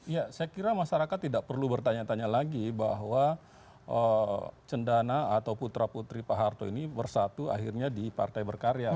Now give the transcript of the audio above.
ya saya kira masyarakat tidak perlu bertanya tanya lagi bahwa cendana atau putra putri pak harto ini bersatu akhirnya di partai berkarya